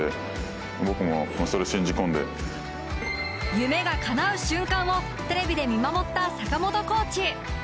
夢がかなう瞬間をテレビで見守った坂本コーチ。